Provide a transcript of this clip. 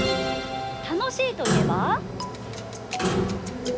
たのしいといえば？